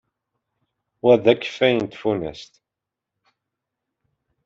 Wa d akeffay n tfunast.